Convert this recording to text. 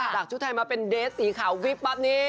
จากชุดไทยมาเป็นเดสสีขาววิบปั๊บนี้